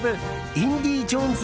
「インディ・ジョーンズ」